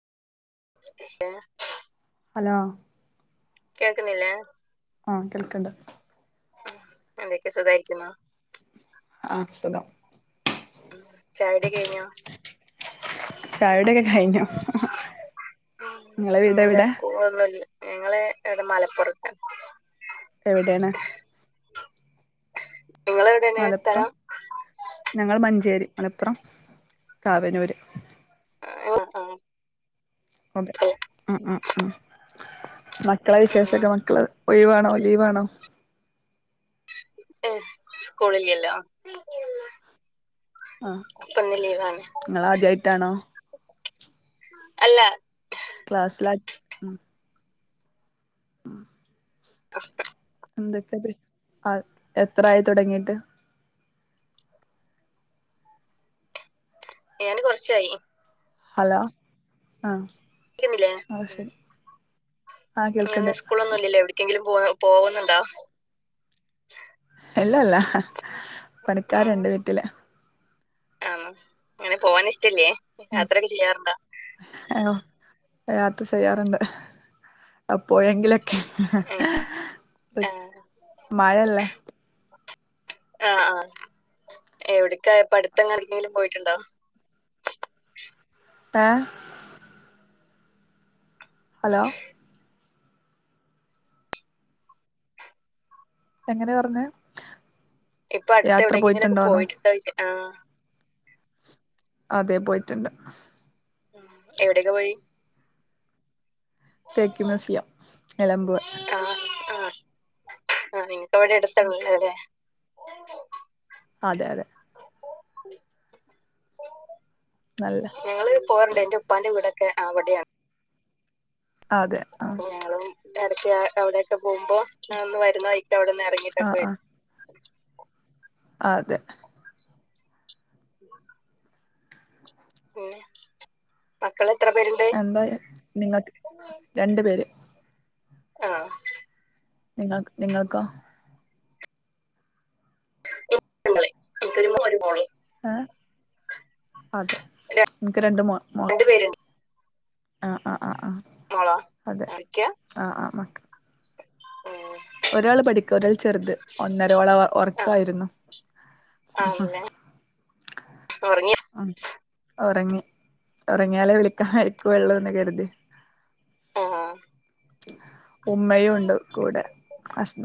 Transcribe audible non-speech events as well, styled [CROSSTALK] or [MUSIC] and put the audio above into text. ഏഹ് hello കേൾക്ക്ന്നില്ലേ ആഹ് കേൾക്ക്ണ്ട്. എന്തൊക്കെ സുഖായിരിക്ക്ന്നോ ആഹ് സുഖം ഉം ചായുടി കെയിഞ്ഞോ? ചായുടിയൊക്കെ കഴിഞ്ഞു [INAUDIBLE] നിങ്ങളെ വീട് ന്താ എവിടെ സ്കൂളില്ല ഞങ്ങള് ഇടെ മലപ്പൊറത്ത്. എവിടെണ്. നിങ്ങള് എവിടെയാണ് മലപ്പുറം സ്ഥലം ഞങ്ങൾ മഞ്ചേരി മലപ്പുറം കാവനൂര് [INAUDIBLE] ഓകെ ഉം ഉം ഉം മക്കളെ ഉം. വിശേഷൊക്കെ മക്കള് ഒഴിവാണോ ലീവാണോ ഏം സ്കൂളില്ലല്ലോ ആഹ് പ്പം ന്ന് ലീവാണ് നിങ്ങള് ആദ്യായിട്ടാണോ അല്ലേ ക്ലാസ്സ്ലാ [INAUDIBLE] എന്തൊക്കെത് ആഹ് എത്രായി തുടങ്ങിയിട്ട് ഞാന് കൊർച്ചായി ഹലോ ആഹ് [UNINTELLIGIBLE] ഇല്ലേ അത് ഉം ശരി ആഹ് കേൾക്കണ്ട് ഇന്ന്ന്ന് സ്കൂളൊന്നുംല്ലല്ലോ എവിടേം എക്കെങ്കിലും പോവ് പോവുന്നുണ്ടോ എല്ലല്ല ഹ് പണിക്കാര്ണ്ട് വീട്ട്ല്. ആഹ് ങ്ങനെ പോവാൻ ഇഷ്ടംല്ലേ യാത്രയെക്കെ ചെയ്യാറ്ണ്ടാ? ആഹ് യാത്ര ചെയ്യാറ്ണ്ട് ആഹ് അപ്പോയെങ്കിലും [UNINTELLIGIBLE] ഹ് ഹ് ആഹ് മഴയല്ലേ ആഹ് ആഹ് എവിട്ക്കാ ഇപ്പട്ത്തങ്ങാനും എവിട്ക്കെങ്കിലും പോയിട്ട്ണ്ടോ? ആഹ് ഹലോ എങ്ങനെ പറഞ്ഞെ. ഇപ്പൊ അടുത്ത് എവിടേക്കെങ്കിലൊക്കെ പോയിട്ടുണ്ടോയ്ച്ചാ ആഹ്. അതെ പോയിട്ട്ണ്ട് എവിടൊക്കെ പോയി തേക്ക് മ്യൂസിയം നിലമ്പൂർ ആഹ് ആഹ് ആഹ് നിങ്ങക്ക് അവ്ടെ അടുത്താണൊല്ലോ ല്ലേ [INAUDIBLE] അതെ അതെ. [INAUDIBLE] നല്ല ഞങ്ങള് പോവെണ്ട് എൻ്റുപ്പാന്റെ വീടൊക്കെ അവിടെയാണ് അതെ ആഹ് അപ്പൊ ഞങ്ങളും ഇടക്ക് അവിടെയൊക്കെ പോവുമ്പോ ന്ന് വരുന്ന വയിക്ക് അവിടെന്നെറങ്ങും ആഹ് ആഹ് അതെ [INAUDIBLE] പിന്നെ മക്കള് എത്ര പേര്ണ്ട്? എപ്പയ് നിങ്ങൾക്ക് രണ്ടു പേര് ആഹ് നിങ്ങൾ നിങ്ങൾക്കോ? [UNINTELLIGIBLE] എനിക്കൊരു മോനും മോളും ഏഹ് അതെ, ന്ക്ക് രണ്ട് മോൻ മോ രണ്ടു പേരുണ്ട് ആഹ് ആഹ് ആഹ് മോളോ കളിക്ക്യാ? ആഹ് ആഹ് മക്ക ആഹ് ഒരാള് പഠിക്ക ഒരാള് ചെറ്ത് ഒന്നര ഓളെ ആ ഒറക്കായിരുന്നു. ആ ആ ഒറങ്യോ ഒറങ്ങി ഒറങ്ങിയാലേ വിളിക്കാൻ വെയ്ക്കൊള്ളൂന്ന് കര്തി ആഹ് ഉമ്മയുണ്ട് കൂടെ ഹസ്